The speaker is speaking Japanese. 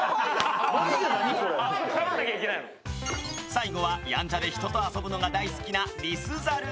最後はやんちゃで人と遊ぶのが大好きなリスザル。